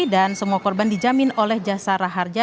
dan semua korban dijamin oleh jasar harja